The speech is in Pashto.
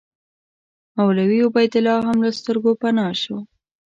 مولوي عبیدالله هم له سترګو پناه شو.